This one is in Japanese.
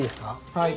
はい。